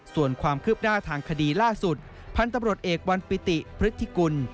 ส่วนความคืบหน้าทางคดีล่าสุดพันธุ์ตำรวจเอกวันปิติพฤติกุล